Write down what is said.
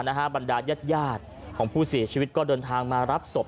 บรรดายาดของผู้เสียชีวิตก็เดินทางมารับศพ